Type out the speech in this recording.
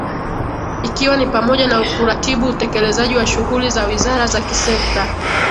ikiwa ni pamoja na kuratibu utekelezaji wa shughuli za wizara za kisekta